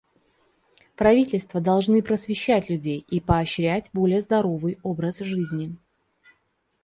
Правительства должны просвещать людей и поощрять более здоровый образ жизни.